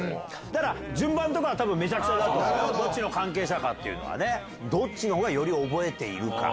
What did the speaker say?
だから、順番とかたぶん、めちゃくちゃだと、どっちの関係者かというのはね。どっちのほうがより覚えているか。